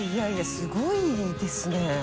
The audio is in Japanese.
すごいですね。